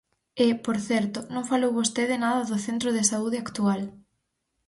E, por certo, non falou vostede nada do centro de saúde actual.